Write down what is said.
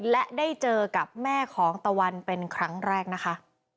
และได้เจอกับแม่ของตะวันเป็นครั้งแรกนะคะ